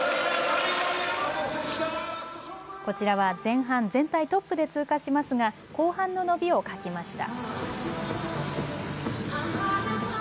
こちらは前半全体トップで通過しますが後半の伸びを欠きました。